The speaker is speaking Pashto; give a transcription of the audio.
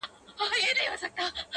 هغه نجلۍ سندره نه غواړي، سندري غواړي.